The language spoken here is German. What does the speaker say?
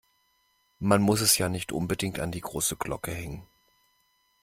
Man muss es ja nicht unbedingt an die große Glocke hängen.